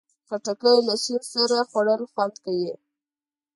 خټکی له سیند سره خوړل خوند کوي.